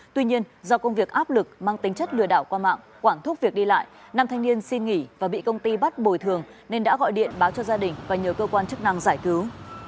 tuy nhiên do công việc áp lực mang tính chất lừa đảo qua mạng quảng thúc việc đi lại nam thanh niên xin nghỉ và bị công ty bắt bồi thường nên đã gọi điện báo cho gia đình và nhiều cơ quan chức năng giải cứu